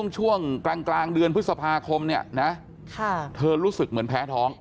ช่วงกลางเดือนพฤษภาคมเนี่ยนะเธอรู้สึกเหมือนแพ้ท้อง